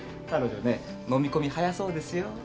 彼女ねのみ込み早そうですよ。